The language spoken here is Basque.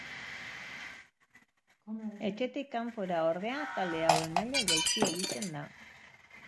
Etxetik kanpora, ordea, talde hauen maila jaitsi egiten da.